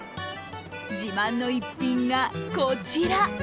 自慢の逸品がこちら。